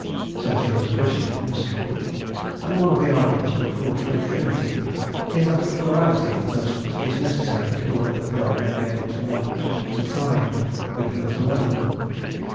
So sings a Christian minstrel; and one of the arguments put forward for a Trinity is that a plurality of persons is necessary in order that God may be able to love at the "time" when he was alone.